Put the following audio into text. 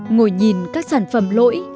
ngồi nhìn các sản phẩm lỗi